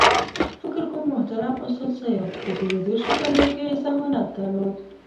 فکر کوم محترم استاد سیاف په تېرو دېرشو کالو کې ذهانت درلود.